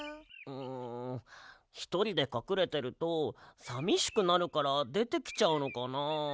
んひとりでかくれてるとさみしくなるからでてきちゃうのかな。